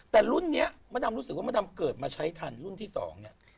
แต่รุ่นนี้มดดำรู้สึกว่ามะดำเกิดมาใช้ทันรุ่นที่๒เนี่ย